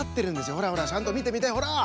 ほらほらちゃんとみてみてほら。